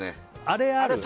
あれある？